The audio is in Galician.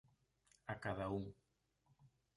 A cada un.